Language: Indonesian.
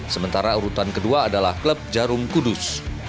sementara urutan kedua adalah klub jarum kudus